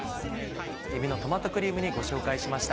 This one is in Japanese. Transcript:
「えびのトマトクリーム煮」ご紹介しました。